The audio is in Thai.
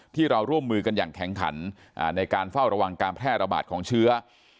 ที่เราร่วมมือกันอย่างแข็งขันในการเฝ้าระวังการแพร่ระบาดของเชื้อ